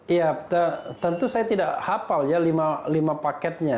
iya tentu saya tidak hafal ya lima paketnya